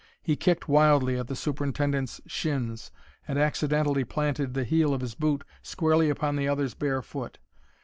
He kicked wildly at the superintendent's shins and accidentally planted the heel of his boot squarely upon the other's bare foot.